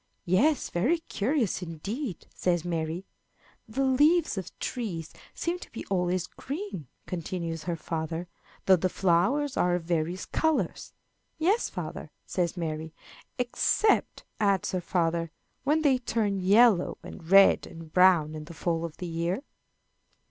"Yes, very curious indeed," says Mary. "The leaves of trees seem to be always green," continues her father, "though the flowers are of various colors." "Yes, father," says Mary. "Except," adds her father, "when they turn yellow, and red, and brown, in the fall of the year."